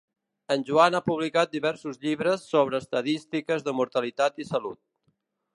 En Joan ha publicat diversos llibres sobre estadístiques de mortalitat i salut.